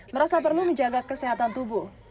merasa perlu menjaga kesehatan tubuh